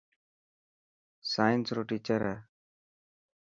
سائنس رو ٽيچر هي.